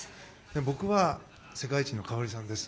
僕は世界一の花織さんです。